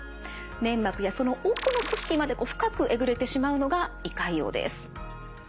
粘膜やその奥の組織まで深くえぐれてしまうのが胃潰瘍です。